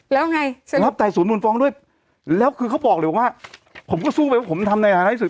แล้วไงรับไต่สวนมูลฟ้องด้วยแล้วคือเขาบอกเลยว่าผมก็สู้ไปว่าผมทำในฐานะที่สุด